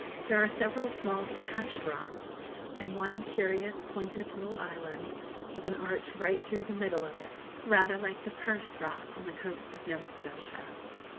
There are several small detached rocks, and one curious pointed little island, with an arch right through the middle of it, rather like the Percé Rock on the coast of Nova Scotia.